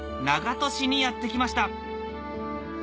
長門市にやって来ました